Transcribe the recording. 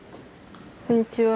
こんにちは。